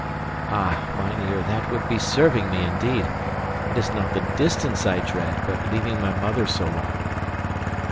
"Ah, mynheer, that would be serving me indeed; it is not the distance I dread but leaving my mother so long."